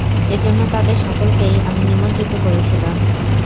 এজন্য তাদের সকলকেই আমি নিমজ্জিত করেছিলাম।